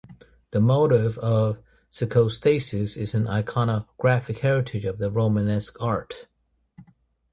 This motif of psicostasis is an iconographic heritage of the Romanesque art.